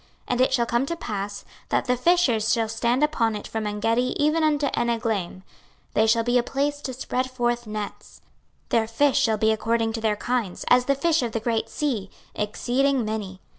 26:047:010 And it shall come to pass, that the fishers shall stand upon it from Engedi even unto Eneglaim; they shall be a place to spread forth nets; their fish shall be according to their kinds, as the fish of the great sea, exceeding many.